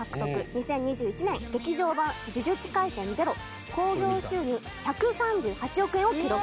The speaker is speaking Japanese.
２０２１年『劇場版呪術廻戦０』興行収入１３８億円を記録。